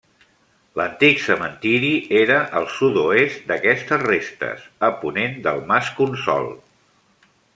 L'antic cementiri era al sud-oest d'aquestes restes, a ponent del Mas Cònsol.